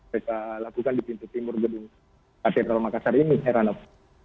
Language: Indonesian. dereka lakukan di pintu timur gedung katedral makassar ini pak ranof